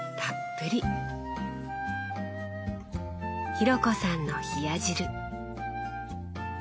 紘子さんの冷や汁。